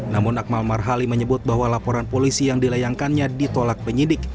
namun akmal marhali menyebut bahwa laporan polisi yang dilayangkannya ditolak penyidik